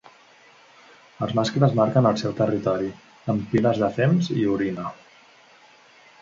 Els mascles marquen el seu territori amb piles de fems i orina.